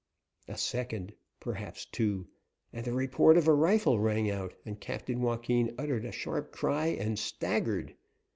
A second perhaps two, and the report of a rifle rang out, and Captain Joaquin uttered a sharp cry and staggered.